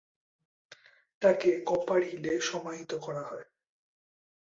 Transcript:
তাকে কপার হিলে সমাহিত করা হয়।